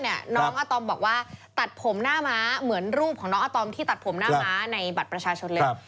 น้องอาตอมบอกว่าตัดผมหน้าม้าเหมือนรูปของน้องอาตอมที่ตัดผมหน้าม้าในบัตรประชาชนเลย